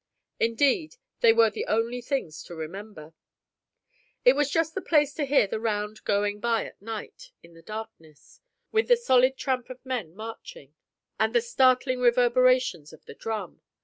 Indeed, they were the only things to remember. It was just the place to hear the round going by at night in the darkness, with the solid tramp of men marching, and the startling reverberations of the drum.